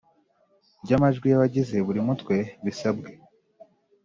by amajwi y abagize buri Mutwe bisabwe